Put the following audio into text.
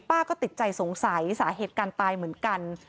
ก็ติดใจสงสัยสาเหตุการตายเหมือนกัน